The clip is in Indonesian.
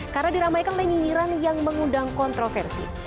karena diramaikan lenyiran yang mengundang kontroversi